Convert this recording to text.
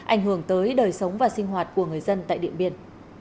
ảnh hưởng tới đời sống và sinh hoạt của người dân tại điện biên